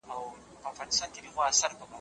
زعفران باید په وچ ځای کې وساتل شي.